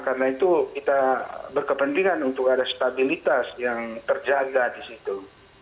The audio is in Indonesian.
karena itu kita berkepentingan untuk ada stabilitas yang terjaga di situ